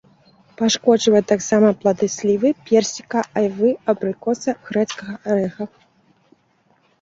Пашкоджвае таксама плады слівы, персіка, айвы, абрыкоса, грэцкага арэха.